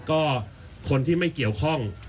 ก็คนที่ไม่เกี่ยวข้อง